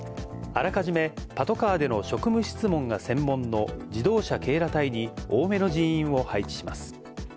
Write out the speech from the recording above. あらかじめパトカーでの職務質問が専門の自動車警ら隊に多めの人員を配置します。